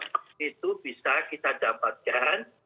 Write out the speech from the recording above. jadi itu bisa kita dapatkan